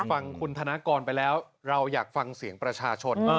ฟังคุณธนากรไปแล้วเราอยากฟังเสียงประชาชน